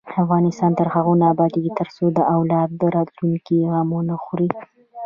افغانستان تر هغو نه ابادیږي، ترڅو د اولاد د راتلونکي غم ونه خورئ.